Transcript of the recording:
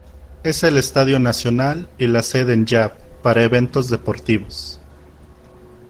Es el estadio nacional y la sede en Yap para eventos deportivos.